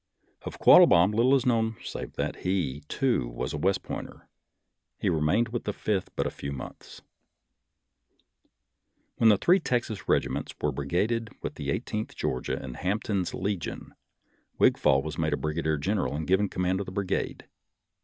Of Quattlebaum little is known save that he, too, was a West Pointer. He remained with the Fifth but a few months. When the three Texas regiments were bri gaded with the Eighteenth Georgia and Hamp ton's Legion, Wigfall was made a brigadier general and given command of the brigade.